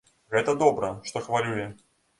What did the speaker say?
Гэта добра, што хвалюе.